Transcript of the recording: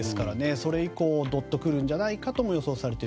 それ以降どっと来るんじゃないかと予想されている。